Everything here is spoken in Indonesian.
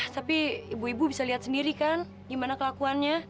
tapi ibu ibu bisa lihat sendiri kan gimana kelakuannya